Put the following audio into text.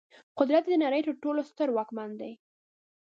قدرت د نړۍ تر ټولو ستر واکمن دی.